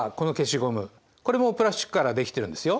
これもプラスチックからできてるんですよ。